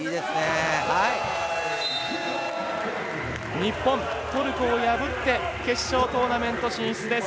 日本、トルコを破って決勝トーナメント進出です。